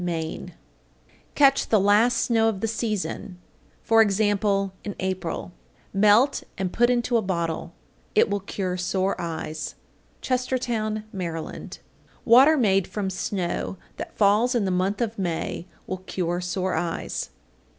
Maine. 838. Catch the last snow of the season (e.g., in April), melt and put into a bottle. It will cure sore eyes. Chestertown, Md. 839. Water made from snow that falls in the month of May will cure sore eyes.